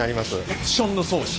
オプションの装置？